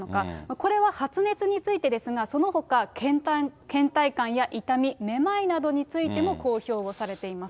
これは発熱についてですが、そのほかけん怠感や痛み、めまいなどについても公表をされています。